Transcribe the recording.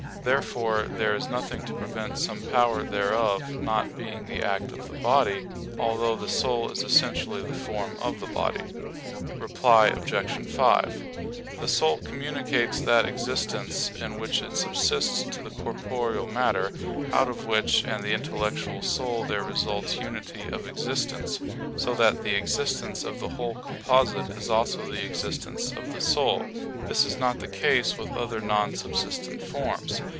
Therefore there is nothing to prevent some power thereof not being the act of the body, although the soul is essentially the form of the body. Reply Obj. 5: The soul communicates that existence in which it subsists to the corporeal matter, out of which and the intellectual soul there results unity of existence; so that the existence of the whole composite is also the existence of the soul. This is not the case with other non subsistent forms.